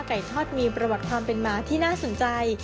ทอดมีประวัติความเป็นหมาที่น่าสนใจ